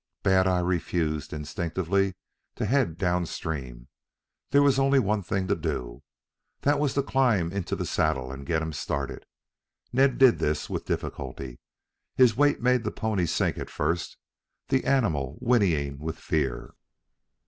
Bad eye refused instinctively to head down stream. There was only one thing to do. That was to climb into the saddle and get him started. Ned did this with difficulty. His weight made the pony sink at first, the animal whinnying with fear.